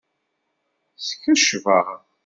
Skecber.